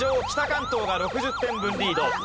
北関東が６０点分リード。